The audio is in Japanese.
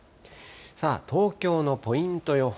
さあ、東京のポイント予報。